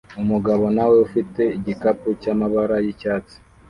umugabo nawe afite igikapu cyamabara yicyayi